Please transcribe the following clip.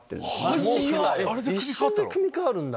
一瞬で組み換わるんだ！